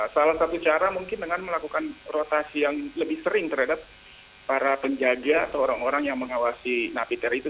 salah satu cara mungkin dengan melakukan rotasi yang lebih sering terhadap para penjaga atau orang orang yang mengawasi napiter itu